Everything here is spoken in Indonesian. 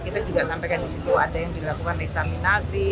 kita juga sampaikan di situ ada yang dilakukan eksaminasi